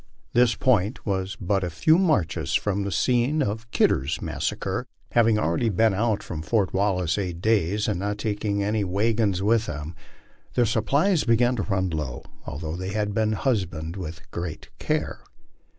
This point was but a few marches from the scene of Kidder's massacre. Having already been out from Fori. Wallace eight days, and not taking wagons with them, their supplies began to run low, although they had been husbanded with great care.